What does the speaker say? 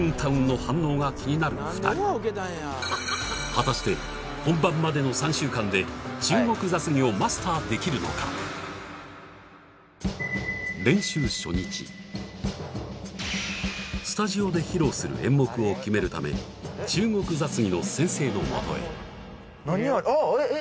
２人果たして本番までのスタジオで披露する演目を決めるため中国雑技の先生の元へああっえっえっ！？